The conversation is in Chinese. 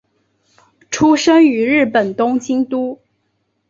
出身于日本东京都。